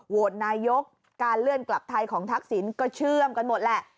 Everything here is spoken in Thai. โหวตนายกการเลื่อนกลับไทยของทักษิณก็เชื่อมกันหมดแหละ